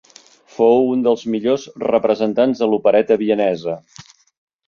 Fou un dels millors representants de l'opereta vienesa.